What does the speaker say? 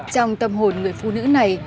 trong tâm hồn người phụ nữ này